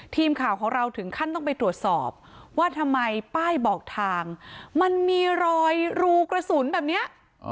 ทีมข่าวของเราถึงขั้นต้องไปตรวจสอบว่าทำไมป้ายบอกทางมันมีรอยรูกระสุนแบบนี้